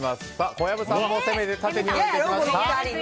小籔さんも攻めて縦に置きました。